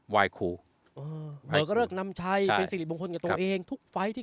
วายคูเออเหมือนก็เริ่มนำชัยใช่เป็นสิริบงคลกับตัวเองทุกไฟที่